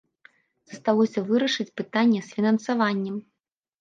Засталося вырашыць пытанне з фінансаваннем.